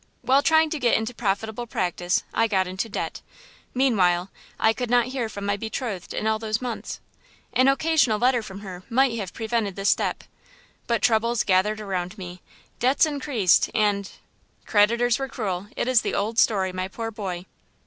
While trying to get into profitable practice I got into debt. Meanwhile I could not hear from my betrothed in all those months. An occasional letter from her might have prevented this step. But troubles gathered around me, debts increased and–" "–Creditors were cruel. It is the old story; my poor boy!"